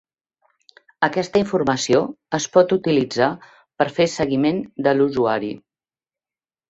Aquesta informació es pot utilitzar per fer seguiment de l'usuari.